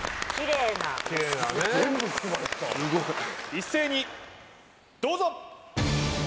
一斉にどうぞ！